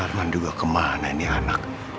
arman juga kemana ini anak